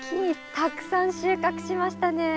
たくさん収穫しましたね。